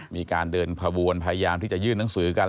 มีการเดินขบวนพยายามที่จะยื่นหนังสือกัน